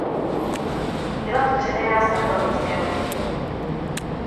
Byla to dřevěná stavba městského typu.